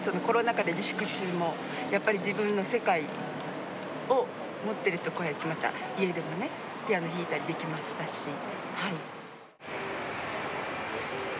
コロナ禍で自粛中もやっぱり自分の世界を持ってるとこうやってまた家でもねピアノ弾いたりできましたし。